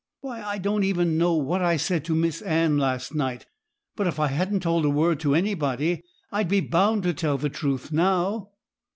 Why, I don't even know what I said to Miss Anne last night; but if I hadn't told a word to anybody, I'd be bound to tell the truth now.'